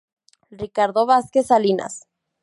Ricardo Vázquez Salinas.